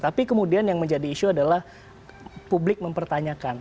tapi kemudian yang menjadi isu adalah publik mempertanyakan